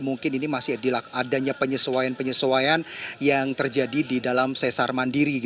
mungkin ini masih adanya penyesuaian penyesuaian yang terjadi di dalam sesar mandiri